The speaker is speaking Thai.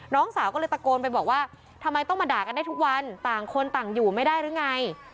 น้องสาวก็เลยตะโกนไปบอกว่าทำไมต้องมาด่ากันได้ทุกวันต่างคนต่างอยู่ไม่ได้หรือไง